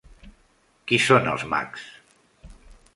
Qui són els mags?